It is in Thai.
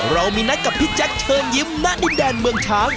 เรามีนัดกับพี่แจ๊คเชิญยิ้มณดินแดนเมืองช้าง